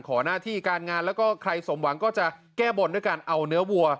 หน้าที่การงานแล้วก็ใครสมหวังก็จะแก้บนด้วยการเอาเนื้อวัว